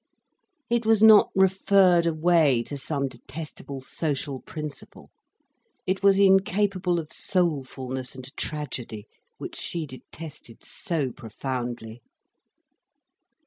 It was not referred away to some detestable social principle. It was incapable of soulfulness and tragedy, which she detested so profoundly.